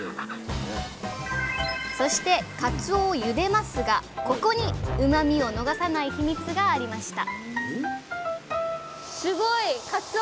そしてかつおをゆでますがここにうまみを逃さないヒミツがありました！